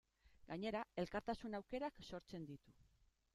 Gainera, elkartasun aukerak sortzen ditu.